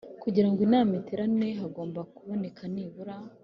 Kugira ngo inama iterane hagomba kuboneka nibura